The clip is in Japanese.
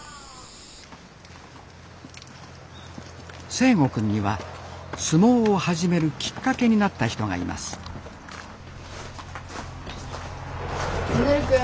誠心くんには相撲を始めるきっかけになった人がいます稔くん。